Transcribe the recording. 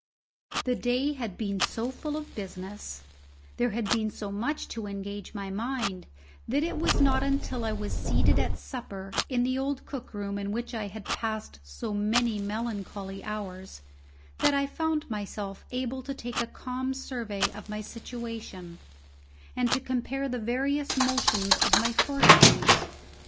The day had been so full of business, there had been so much to engage my mind, that it was not until I was seated at supper in the old cook room in which I had passed so many melancholy hours, that I found myself able to take a calm survey of my situation, and to compare the various motions of my fortunes.